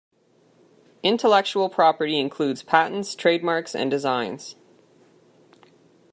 Intellectual property includes patents, trademarks and designs